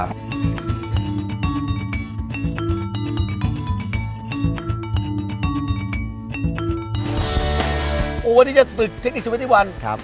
วันนี้จะฝึกเทคนิค๒๑